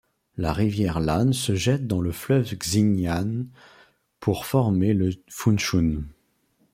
La rivière Lan se jette dans le fleuve Xin'an pour former le Fuchun.